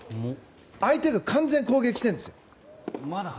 相手が完全に攻撃しているんですよ。